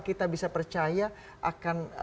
kita bisa percaya akan